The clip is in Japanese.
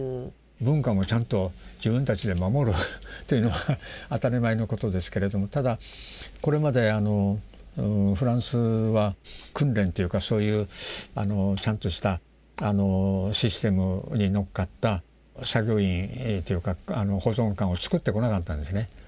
文化もちゃんと自分たちで守るというのは当たり前のことですけれどもただこれまでフランスは訓練というかちゃんとしたシステムに乗っかった作業員というか保存官をつくってこなかったんですね。